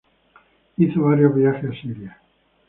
Hizo varios viajes a Siria.